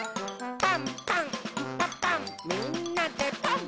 「パンパンんパパンみんなでパン！」